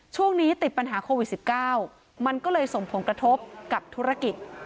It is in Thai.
ช่วงนี้ติดปัญหาโควิดสิบเก้ามันก็เลยส่งผลกระทบกับธุรกิจ